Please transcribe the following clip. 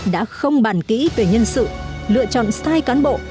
đã không bàn kỹ về nhân sự lựa chọn sai cán bộ